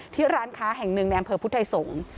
ที่ร้านค้าแห่งหนึ่งในอำเภอพุทธไทยสงฆ์